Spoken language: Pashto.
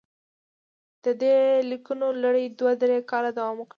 د دې لیکونو لړۍ دوه درې کاله دوام وکړ.